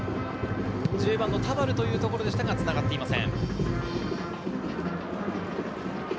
１０番の田原というところでしたが、つながっていません。